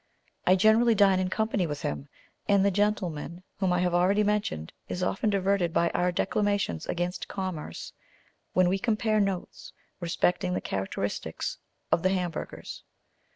I generally dine in company with him: and the gentleman whom I have already mentioned is often diverted by our declamations against commerce, when we compare notes respecting the characteristics of the Hamburgers.